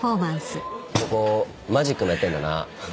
ここマジックもやってんだな。